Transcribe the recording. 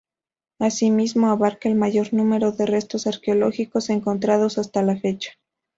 Asimismo, abarca el mayor número de restos arqueológicos encontrados hasta la fecha.